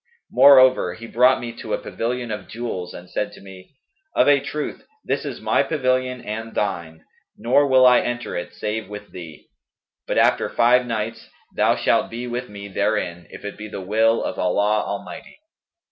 Moreover, he brought me to a pavilion of jewels and said to me, 'Of a truth this is my pavilion and thine, nor will I enter it save with thee; but, after five nights thou shalt be with me therein, if it be the will of Allah Almighty.'